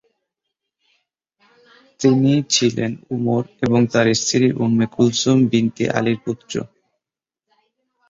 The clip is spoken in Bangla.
তিনি ছিলেন উমর এবং তাঁর স্ত্রী উম্মে কুলসুম বিনতে আলীর পুত্র।